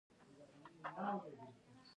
زۀ به ئې فرېنډ لسټ ته اېډ کړم -